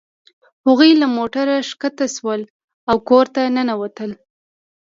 هغوی له موټر ښکته شول او کور ته ننوتل